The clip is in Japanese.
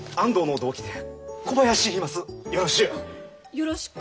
よろしく。